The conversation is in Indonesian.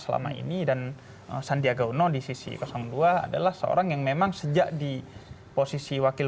selama ini dan sandiaga uno di sisi dua adalah seorang yang memang sejak di posisi wakil